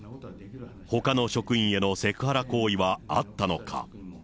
ほかの職員へのセクハラ行為はあったのか。